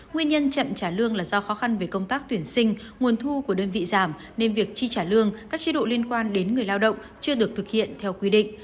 nguyên nhân chậm trả lương là do khó khăn về công tác tuyển sinh nguồn thu của đơn vị giảm nên việc chi trả lương các chế độ liên quan đến người lao động chưa được thực hiện theo quy định